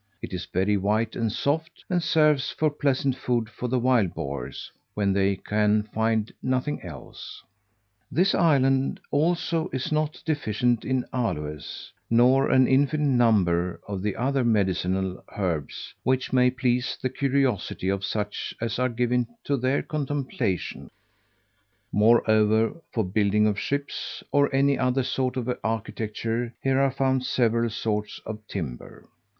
It is very white and soft, and serves for pleasant food to the wild boars, when they can find nothing else. This island, also, is not deficient in aloes, nor an infinite number of the other medicinal herbs, which may please the curiosity of such as are given to their contemplation: moreover, for building of ships, or any other sort of architecture, here are found several sorts of timber.